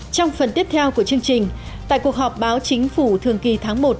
trong phần tiếp theo của chương trình tại cuộc họp báo chính phủ thường kỳ tháng một